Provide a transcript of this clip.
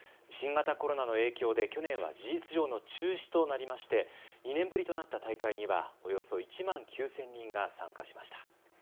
新型コロナの影響で去年は事実上の中止となりまして２年ぶりとなった大会にはおよそ１万９０００人が参加しました。